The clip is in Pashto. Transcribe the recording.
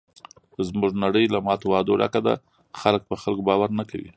زموږ نړۍ له ماتو وعدو ډکه ده. خلک په خلکو باور نه کوي.